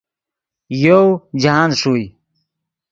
یوؤ جاہند ݰوئے